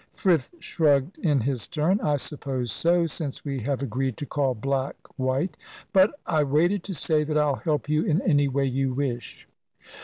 Frith shrugged in his turn. "I suppose so, since we have agreed to call black white. But I waited to say that I'll help you in any way you wish."